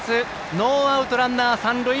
ノーアウトランナー、三塁。